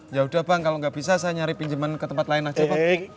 yaudah bang kalau gak bisa saya nyari pinjaman ke tempat lain aja pak